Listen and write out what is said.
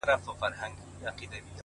که آرام غواړې’ د ژوند احترام وکړه’